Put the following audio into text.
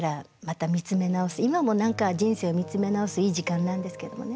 今も何か人生を見つめ直すいい時間なんですけどもね。